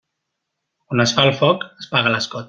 On es fa el foc es paga l'escot.